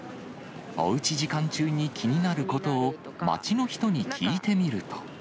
おうち時間中に気になることを、街の人に聞いてみると。